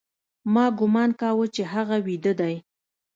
ما گومان کاوه چې هغه بيده دى.